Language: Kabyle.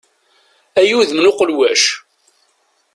Ay udem n uqelwac!